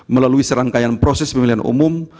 melalui serangkaian proses pemilihan umum